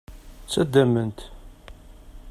Ttaddamen-t.